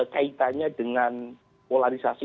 kaitannya dengan polarisasi